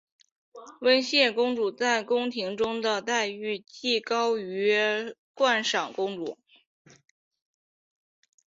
温宪公主在宫廷中的待遇亦高于惯常公主。